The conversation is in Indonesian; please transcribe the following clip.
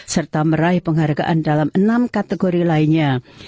serta meraih penghargaan dalam enam kategori lainnya